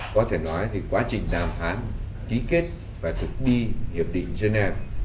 có thể nói thì quá trình đàm thán ký kết và thực bi hiệp định geneva